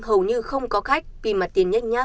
hầu như không có khách vì mặt tiền nhách nhác